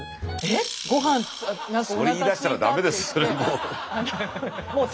それ言いだしたら駄目ですそれもう。